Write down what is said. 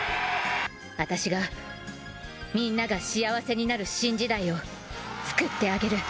私がみんなが幸せになる新時代を作ってあげる。